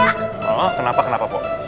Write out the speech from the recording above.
hah kenapa kenapa pak